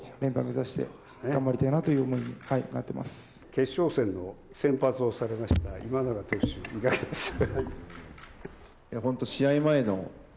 決勝戦の先発をされましたが今永投手、いかがですか。